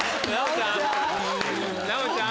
奈央ちゃん？